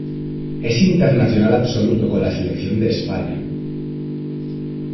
Es internacional absoluto con la selección de España.